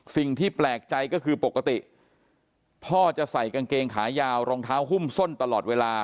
สิ่งที่แปลกใจก็คือปกติพ่อจะใส่กางเกงขายาวรองเท้าหุ้มส้นตลอดเวลา